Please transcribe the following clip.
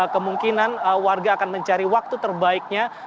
kemungkinan warga akan mencari waktu terbaiknya